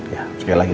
ya segalanya gitu